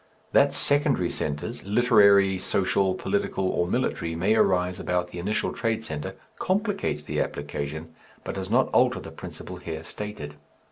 That secondary centres, literary, social, political, or military, may arise about the initial trade centre, complicates the application but does not alter the principle here stated.